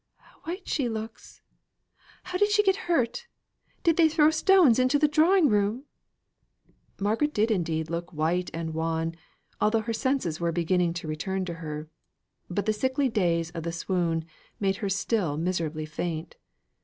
How white she looks! How did she get hurt? Did they throw stones into the drawing room?" Margaret did indeed look white and wan, although her senses were beginning to return to her. But the sickly daze of the swoon made her still miserably faint.